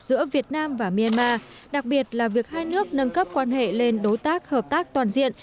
giữa việt nam và myanmar đặc biệt là việc hai nước nâng cấp quan hệ lên đối tác hợp tác toàn diện